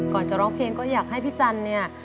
จะร้องเพลงก็อยากให้พี่จันเนี่ย